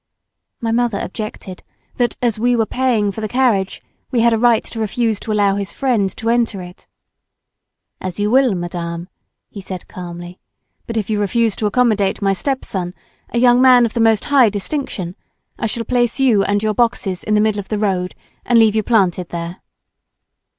My mother objected, that as we were paying for the carriage, we had a right to refuse to allow his friend to enter it. "As you will, madame," he said calmly, "but if you refuse to accommodate my stepson, a young man of the most high distinction, I shall place you and your boxes in the middle of the road, and leave you planted there."